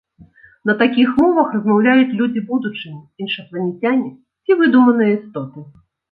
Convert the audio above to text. На такіх мовах размаўляюць людзі будучыні, іншапланецяне ці выдуманыя істоты.